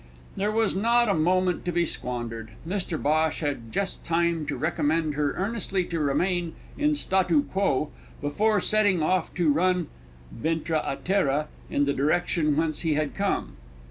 There was not a moment to be squandered; Mr Bhosh had just time to recommend her earnestly to remain in statu quo, before setting off to run ventre à terre in the direction whence he had come.